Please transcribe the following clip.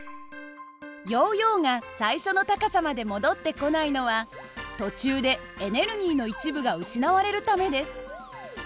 ヨーヨーが最初の高さまで戻ってこないのは途中でエネルギーの一部が失われるためです。